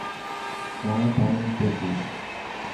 چائين ٽائم تي پي.